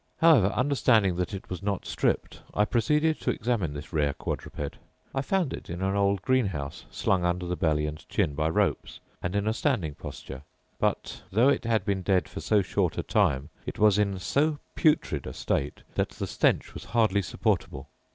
However, understanding that it was not stripped, I proceeded to examine this rare quadruped: I found it in an old green house, slung under the belly and chin by ropes, and in a standing posture; but, though it had been dead for so short a time, it was in so putrid a state that the stench was hardly supportable.